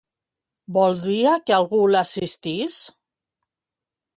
Voldria que algú l'assistís?